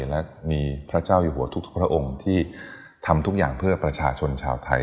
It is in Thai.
และมีพระเจ้าอยู่หัวทุกพระองค์ที่ทำทุกอย่างเพื่อประชาชนชาวไทย